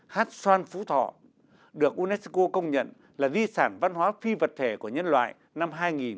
hát xoan phú thọ được unesco công nhận là di sản văn hóa phi vật thể của nhân loại năm hai nghìn một mươi